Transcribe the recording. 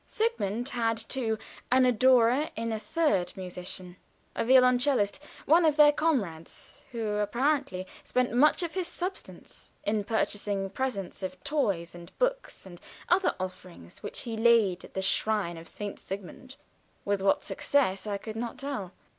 Sigmund had, too, an adorer in a third musician, a violoncellist, one of their comrades, who apparently spent much of his spare substance in purchasing presents of toys and books and other offerings, which he laid at the shrine of St. Sigmund, with what success I could not tell.